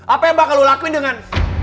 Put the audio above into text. apa yang bakal lu lakuin dengan